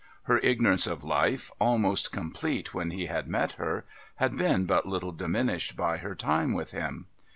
Her ignorance of life almost complete when he had met her had been but little diminished by her time with him.